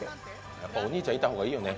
やっぱお兄ちゃんいた方がいいよね。